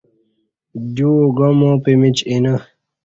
دیوا گعاماں پمیچ اینہ